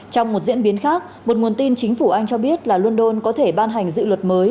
trong một diễn biến khác một nguồn tin chính phủ anh cho biết là london có thể ban hành dự luật mới